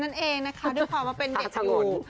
นั่นเองนะคะด้วยความว่าเป็นเด็กอยู่